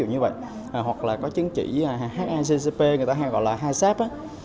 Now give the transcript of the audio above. hoặc là có chứng chỉ hiccp người ta hay gọi là hicap